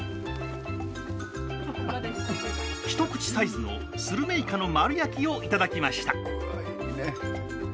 一口サイズのスルメイカの丸焼きを頂きました。